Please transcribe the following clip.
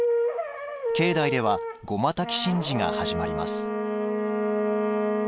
境内では護摩焚神事が始まります。